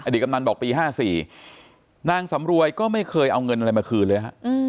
อดีตกำนันบอกปีห้าสี่นางสำรวยก็ไม่เคยเอาเงินอะไรมาคืนเลยนะครับ